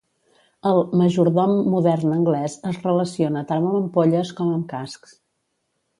El "majordom" modern anglès es relaciona tant amb ampolles com amb cascs.